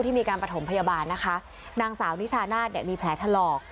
มีการประถมพยาบาลนะคะนางสาวนิชานาศเนี่ยมีแผลถลอก